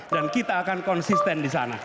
dan kita akan konsisten disana